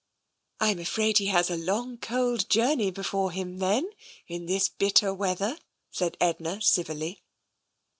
" I am afraid he has a long, cold journey before him, then, in this bitter weather," said Edna civilly.